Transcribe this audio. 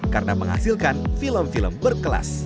karena menghasilkan film film berkelas